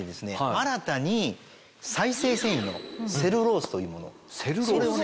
新たに再生繊維のセルロースというものそれをね